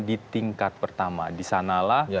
di tingkat pertama di sanalah